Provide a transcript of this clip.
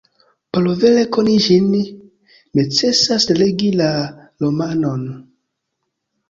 Por vere koni ĝin, necesas legi la romanon.